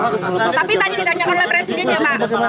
tapi tadi ditanyakan oleh presiden ya pak